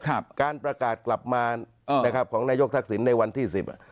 ครับการประกาศกลับมาเออนะครับของนายโยคทักษิณในวันที่สิบ